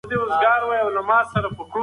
شاه شجاع د غلو د مخنیوي ژمنه کوي.